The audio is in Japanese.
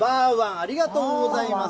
ありがとうございます。